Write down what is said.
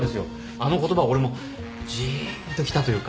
あの言葉俺もじーんときたというか。